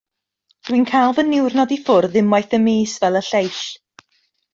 Dw i'n cael fy niwrnod i ffwrdd unwaith y mis fel y lleill.